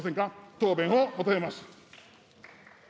答弁を求めます。